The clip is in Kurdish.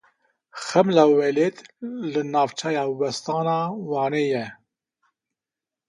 Xemla Welêt li navçeya Westan a Wanê ye.